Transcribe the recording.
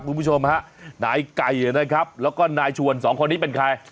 คุณผู้ชมฮะนายไก่นะครับแล้วก็นายชวนสองคนนี้เป็นใคร